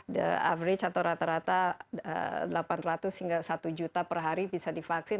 the average atau rata rata delapan ratus hingga satu juta per hari bisa divaksin